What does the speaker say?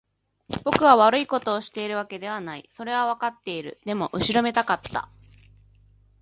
僕は悪いことをしているわけではない。それはわかっている。でも、後ろめたかった。